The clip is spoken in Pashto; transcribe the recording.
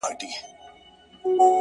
د اختر سهار ته مي،